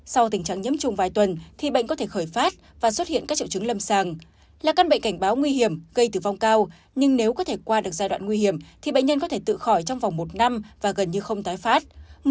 sau tình trạng nhiễm trùng vài tuần thì bệnh có thể khởi phát và xuất hiện các triệu chứng lâm sàng là căn bệnh cảnh báo nguy hiểm gây tử vong cao nhưng nếu có thể qua được giai đoạn nguy hiểm thì bệnh nhân có thể tự khỏi trong vòng một năm và gần như không tái phát